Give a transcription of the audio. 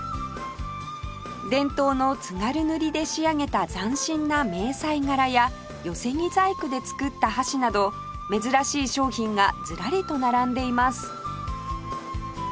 伝統の津軽塗で仕上げた斬新な迷彩柄や寄木細工で作った箸など珍しい商品がずらりと並んでいます